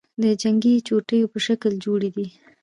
د جنگې چوڼیو په شکل جوړي دي،